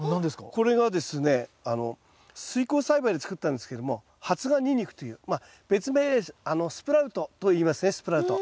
これがですねあの水耕栽培で作ったんですけども発芽ニンニクというまっ別名スプラウトといいますねスプラウト。